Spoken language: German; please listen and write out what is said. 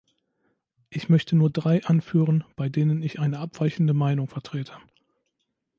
Ich möchte nur drei anführen, bei denen ich eine abweichende Meinung vertrete.